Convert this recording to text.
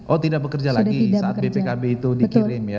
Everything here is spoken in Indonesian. oh tidak bekerja lagi saat bpkb itu dikirim ya